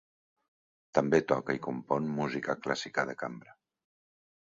També toca i compon música clàssica de cambra.